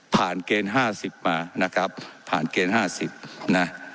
ผ่านเกณฑ์ห้าสิบมานะครับผ่านเกณฑ์ห้าสิบนะ